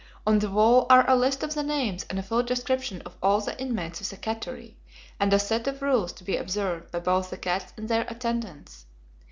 On the wall are a list of the names and a full description of all the inmates of the cattery, and a set of rules to be observed by both the cats and their attendants.